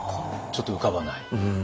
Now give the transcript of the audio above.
ちょっと浮かばない？